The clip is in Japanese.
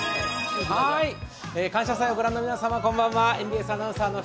「感謝祭」をご覧の皆様、こんばんは。